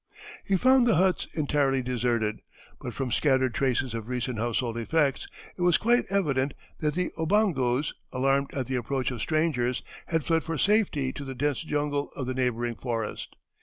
He found the huts entirely deserted, but from scattered traces of recent household effects, it was quite evident that the Obongos, alarmed at the approach of strangers, had fled for safety to the dense jungle of the neighboring forest.